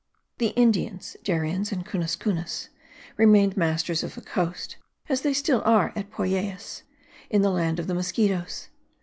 The Indians (Dariens and Cunas Cunas) remained masters of the coast, as they still are at Poyais, in the land of the Mosquitos.